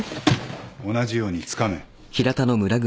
同じようにつかめ。